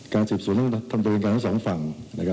การติดสืบสุดต้องทำโดยการทั้งสองฝั่ง